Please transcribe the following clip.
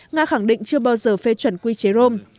nga khẳng định chưa bao giờ phê chuẩn quy chế rome